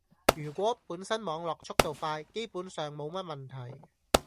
如果本身網絡速度快，基本上冇乜問題